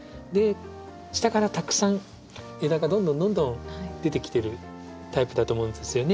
下からたくさん枝がどんどんどんどん出てきてるタイプだと思うんですよね。